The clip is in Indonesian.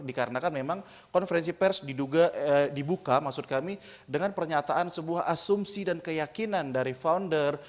dikarenakan memang konferensi pers dibuka maksud kami dengan pernyataan sebuah asumsi dan keyakinan dari founder